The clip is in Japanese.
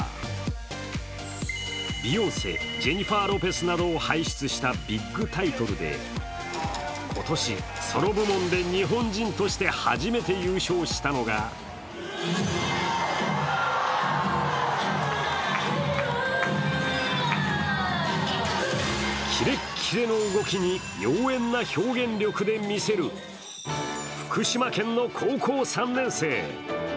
ビヨンセ、ジェニファー・ロペスなどを輩出したビッグタイトルで今年、その部門で日本人として初めて優勝したのがキレッキレの動きに妖艶な表現力で見せる福島県の高校３年生。